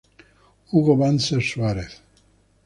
Hugo Banzer Suárez.